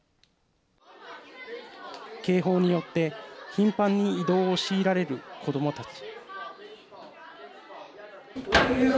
警報によって頻繁に移動を強いられる子どもたち。